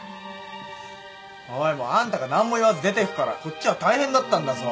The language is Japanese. おいもうあんたが何も言わず出てくからこっちは大変だったんだぞ。